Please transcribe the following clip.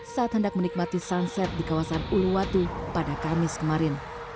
saat hendak menikmati sunset di kawasan uluwatu pada kamis kemarin